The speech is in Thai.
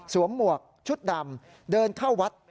หมวกชุดดำเดินเข้าวัด